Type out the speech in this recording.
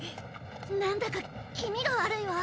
なんだか気味が悪いわ。